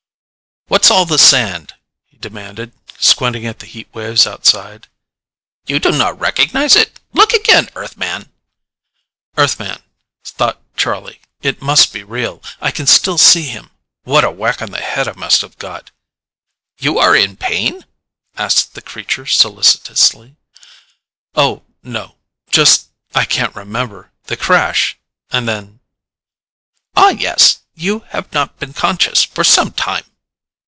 "What's all the sand?" he demanded, squinting at the heatwaves outside. "You do not recognize it? Look again, Earthman!" Earthman! thought Charlie. It must be real: I can still see him. What a whack on the head I must have got! "You are in pain?" asked the creature solicitously. "Oh ... no. Just ... I can't remember. The crash ... and then " "Ah, yes. You have not been conscious for some time."